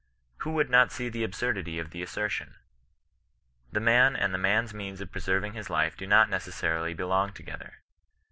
Who would not see the absurdity of the assertion % The man and the man*s means of preserving his life do not necessarily belong together.